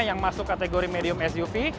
yang masuk kategori medium suv